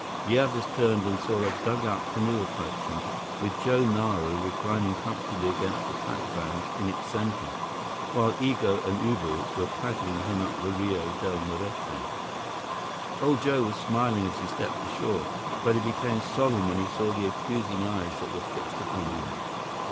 The others turned and saw a dugout canoe approaching, with Joe Nara reclining comfortably against the pack bags in its center, while Igo and Ubi were paddling him up the Rio Del Muerte. Old Joe was smiling as he stepped ashore, but he became solemn when he saw the accusing eyes that were fixed upon him.